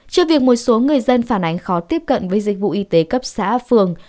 trước việc một số người dân phản ánh khó tiếp cận với dịch vụ y tế cấp xã phường